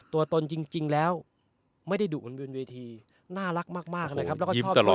ตัวตนจริงแล้วไม่ได้ดุบนเวทีน่ารักมากนะครับ